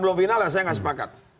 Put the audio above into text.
belum final ya saya nggak sepakat